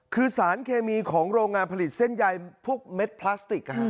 คือสารเคมีของโรงงานผลิตเส้นใยพวกเม็ดพลาสติก